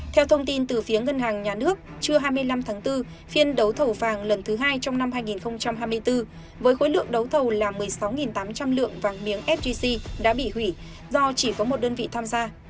theo thông tin từ phía ngân hàng nhà nước trưa hai mươi năm tháng bốn phiên đấu thầu vàng lần thứ hai trong năm hai nghìn hai mươi bốn với khối lượng đấu thầu là một mươi sáu tám trăm linh lượng vàng miếng sgc đã bị hủy do chỉ có một đơn vị tham gia